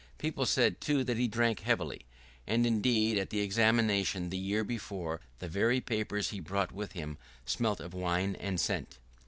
People said, too, that he drank heavily. And indeed at the examination the year before the very papers he brought with him smelt of wine and scent.